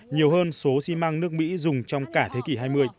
nhiều hơn số xi măng nước mỹ dùng trong cả thế kỷ hai mươi